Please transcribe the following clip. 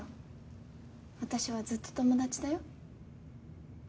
私はずっと友達だよ。